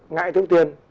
ngại tiêu tiền